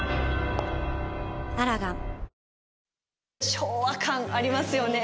昭和感、ありますよね！